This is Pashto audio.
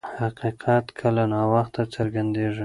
حقیقت کله ناوخته څرګندیږي.